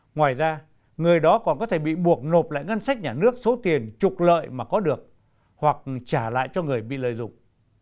ngoài ra người đó còn có thể bị buộc nộp lại ngân sách nhà nước số tiền trục lợi mà có được hoặc trả lại cho người bị lợi dụng